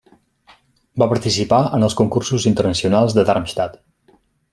Va participar en els concursos internacionals de Darmstadt.